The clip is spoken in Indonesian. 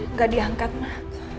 nggak diangkat mak